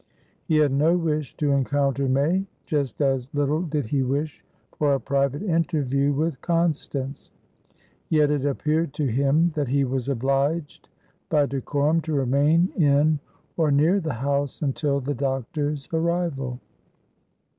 He had no wish to encounter May; just as little did he wish for a private interview with Constance; yet it appeared to him that he was obliged by decorum to remain in or near the house until the doctor's arrival.